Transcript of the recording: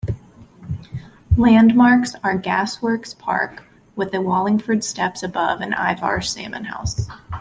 Landmarks are Gas Works Park, with the Wallingford Steps above, and Ivar's Salmon House.